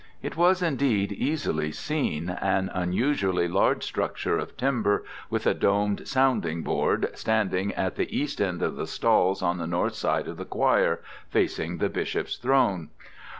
It was, indeed, easily seen; an unusually large structure of timber with a domed sounding board, standing at the east end of the stalls on the north side of the choir, facing the bishop's throne.